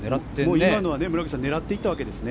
今のは村口さん狙っていったわけですね。